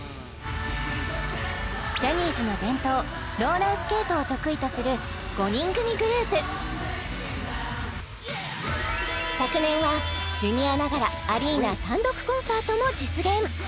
ジャニーズの伝統ローラースケートを得意とする５人組グループ昨年はＪｒ．ながらアリーナ単独コンサートも実現